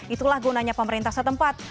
itulah gunanya pemerintah setempat